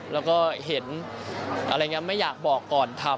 แล้วก็เห็นอะไรอย่างนี้ไม่อยากบอกก่อนทำ